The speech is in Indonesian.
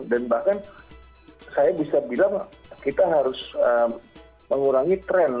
dan bahkan saya bisa bilang kita harus mengurangi tren